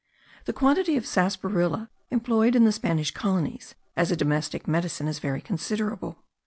The quantity of sarsaparilla employed in the Spanish colonies as a domestic medicine is very considerable.